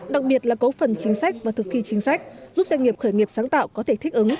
đặc biệt là cấu phần chính sách và thực thi chính sách giúp doanh nghiệp khởi nghiệp sáng tạo có thể thích ứng